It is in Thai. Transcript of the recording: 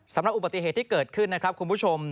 สำหรับอุบัติเหตุที่เกิดขึ้นนะครับคุณผู้ชม